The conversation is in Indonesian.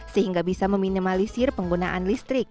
sehingga bisa meminimalisir penggunaan listrik